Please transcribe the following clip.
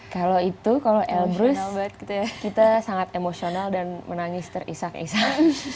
kalau itu kalau elbrus kita sangat emosional dan menangis terisak isak